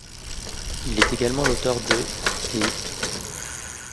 Il est également l'auteur de ',' et '.